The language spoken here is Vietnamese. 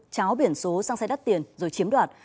cháo biển số sang xe đắt tiền rồi chiếm đoạt